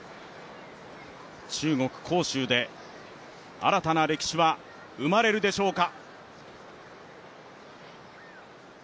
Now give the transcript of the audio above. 中国・杭州で新たな歴史は生まれるでしょうか。